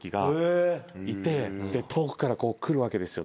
遠くから来るわけですよ。